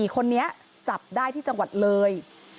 ๔คนนี้จับได้ที่จังหวัดเลย